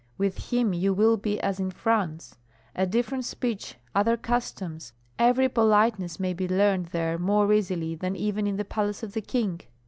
With him you will be as in France. A different speech, other customs, every politeness may be learned there more easily than even in the palace of the king."